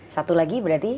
satu lagi berarti